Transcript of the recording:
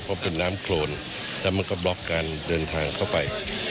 เพราะเป็นน้ำโครนแล้วมันก็บล็อกการเดินทางเข้าไป